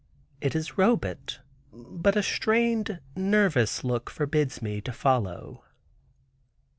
It is Robet, but a strained, nervous look forbids me to follow.